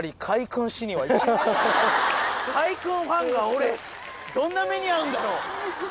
海くんファンが俺どんな目にあうんだろう？